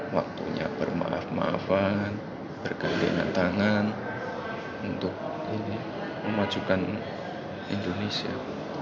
waktunya bermaaf maafan bergalingan tangan untuk memajukan indonesia